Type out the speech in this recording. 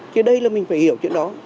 chứ đây là mình phải hiểu chuyện đó